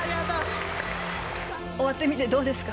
終わってみてどうですか。